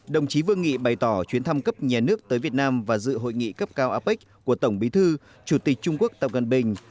đồng chí vương nghị bày tỏ chuyến thăm cấp nhà nước tới việt nam và dự hội nghị cấp cao apec của tổng bí thư chủ tịch trung quốc tập cận bình